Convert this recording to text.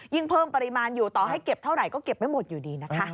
เพิ่มปริมาณอยู่ต่อให้เก็บเท่าไหร่ก็เก็บไม่หมดอยู่ดีนะคะ